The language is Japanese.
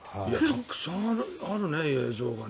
たくさんあるね映像が。